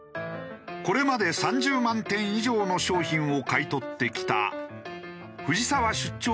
これまで３０万点以上の商品を買い取ってきた藤沢出張